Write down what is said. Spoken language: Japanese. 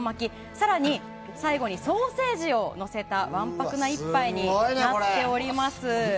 更に、最後にソーセージをのせたわんぱくな一杯になっております。